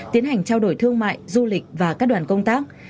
tiến hành trao đổi thương mại du lịch và các đoàn công tác